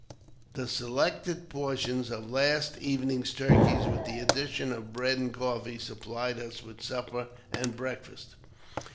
The selected 40 AUTOBIOGBAPHY OF portions of last evening's turkeys, with the addition of bread and coffee, supplied us with supper and breakfast.